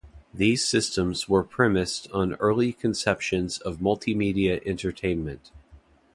These systems were premised on early conceptions of multimedia entertainment.